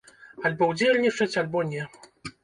Альбо ўдзельнічаць, альбо не.